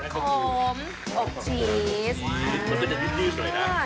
ผักโคมอกจีสมื้นจี๊วสวยนะ